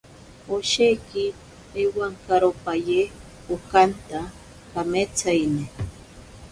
Osheki ewankaropaye okanta kametsaine.